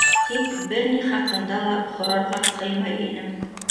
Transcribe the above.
Тик бер ни хаҡында ла һорарға ҡыймай инем.